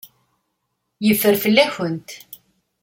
Yeffer fell-akent.